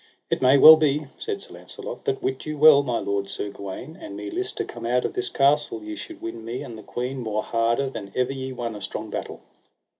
It may well be, said Sir Launcelot, but wit you well, my lord Sir Gawaine, an me list to come out of this castle ye should win me and the queen more harder than ever ye won a strong battle.